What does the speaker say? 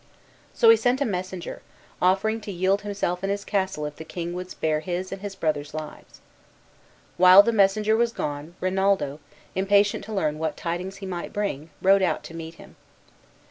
So he sent a messenger, offering to yield himself and his castle if the king would spare his and his brothers' lives. While the messenger was gone Rinaldo, impatient to learn what tidings he might bring, rode out to meet him.